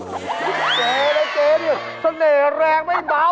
เจ๊นะเจ๊สเน่แรงไม่เบา